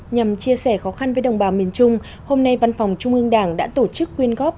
nhằm chia sẻ khó khăn với đồng bào miền trung hôm nay văn phòng trung ương đảng đã tổ chức quyên góp